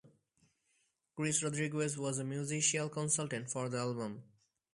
Chris Rodriguez was a musical consultant for the album.